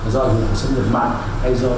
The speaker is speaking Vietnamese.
do hệ thống xâm nhập mạng hay do